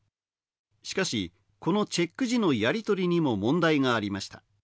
しかしこのチェック時のやりとりにも問題がありました